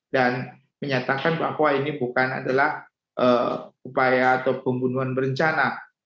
dan menyatakan bahwa ini bukan adalah upaya atau pembunuhan berencana